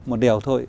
một điều thôi